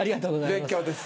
勉強です。